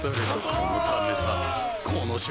このためさ